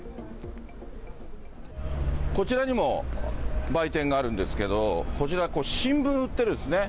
こちらにも、売店があるんですけれども、こちら、新聞売ってるんですね。